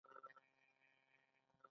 بخښنه کول زړه پاکوي